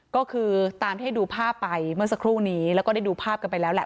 ก็คือตามที่ให้ดูภาพไปเมื่อสักครู่นี้แล้วก็ได้ดูภาพกันไปแล้วแหละ